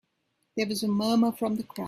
There was a murmur from the crowd.